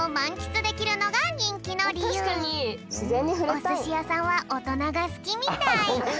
おすしやさんはおとながすきみたい。